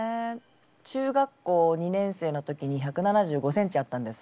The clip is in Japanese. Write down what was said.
中学校２年生の時に１７５センチあったんです。